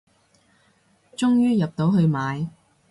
終於入到去買